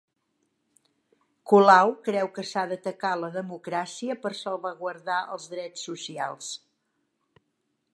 Colau creu que s'ha d'atacar la democràcia per salvaguardar els drets socials